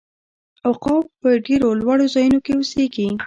عقاب په ډیرو لوړو ځایونو کې اوسیږي